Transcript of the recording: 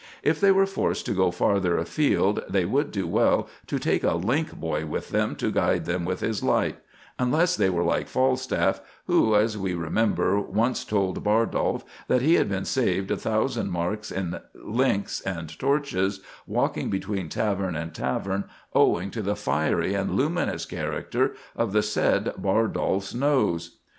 If they were forced to go farther afield, they would do well to take a link boy with them to guide them with his light, unless they were like Falstaff, who, as we remember, once told Bardolph that he been saved a thousand marks in links and torches walking between tavern and tavern, owing to the fiery and luminous character of the said Bardolph's nose.